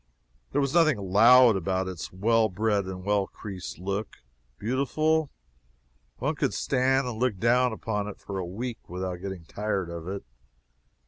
There was nothing "loud" about its well bred and well creased look. Beautiful? One could stand and look down upon it for a week without getting tired of it.